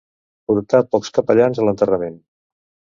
Portar pocs capellans a l'enterrament.